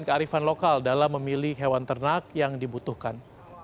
pemeriksaan terhadap hewan tersebut tidak memiliki arifan lokal dalam memilih hewan ternak yang dibutuhkan